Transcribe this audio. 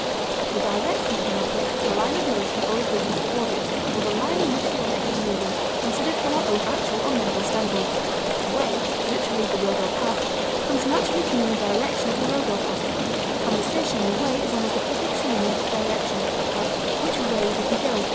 The direction of an object is the line of motion or of vision toward it, or the line in which the object is moving, considered from our own actual or mental standpoint. Way, literally the road or path, comes naturally to mean the direction of the road or path; conversationally, way is almost a perfect synonym of direction; as, which way did he go?